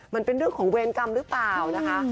มันเป็นเรื่องของเวรกรรมหรือเปล่านะคะ